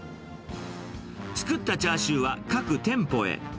作ったチャーシューは、各店舗へ。